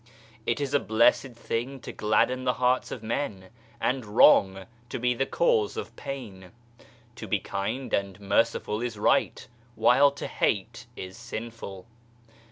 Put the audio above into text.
It is a blessed thing to gladden the hearts of men, and wrong to be the cause of pain. To be kind and merciful is right, while to hate is sinful.